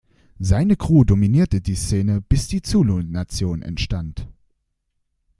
Seine Crew dominierte die Szene bis die Zulu Nation entstand.